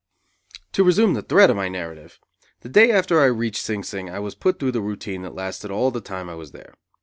To resume the thread of my narrative, the day after I reached Sing Sing I was put through the routine that lasted all the time I was there.